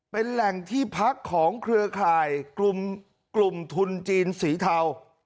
เป็นแหล่งที่พักของเครือข่ายกลุ่มทุนจีนสีเทา